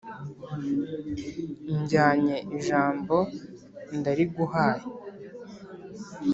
njyanye ijambo ndariguhaye